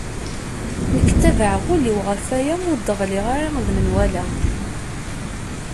Nekk tabaɛeɣ ul-iw ɣef waya ur d-ɣliɣ ara d menwala.